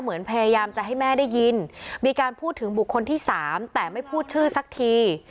เหมือนพยายามจะให้แม่ได้ยินมีการพูดถึงบุคคลที่สามแต่ไม่พูดชื่อสักที